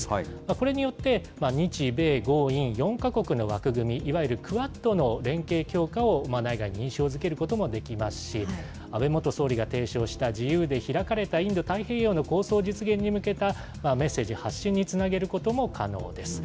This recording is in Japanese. これによって、日米豪印４か国の枠組み、いわゆるクアッドの連携強化を内外に印象づけることもできますし、安倍元総理が提唱した自由で開かれたインド太平洋の構想実現に向けたメッセージ発信につなげることも可能です。